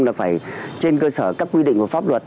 là phải trên cơ sở các quy định của pháp luật